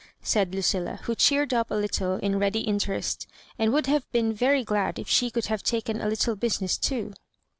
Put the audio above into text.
said Lucilla^ who cheered up a little in ready interest, and would have been very glad if she could have taken a little business too.